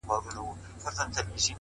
هره لحظه د ارزښت وړ ده!